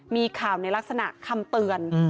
มีข่าวในลักษณะคำเตือน